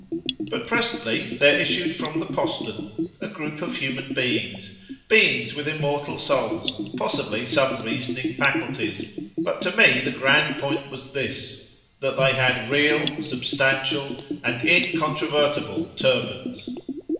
But presently there issued from the postern a group of human beings—beings with immortal souls, and possibly some reasoning faculties; but to me the grand point was this, that they had real, substantial, and incontrovertible turbans.